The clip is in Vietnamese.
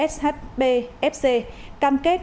shb fc cam kết